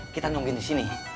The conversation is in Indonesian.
kita nungguin disini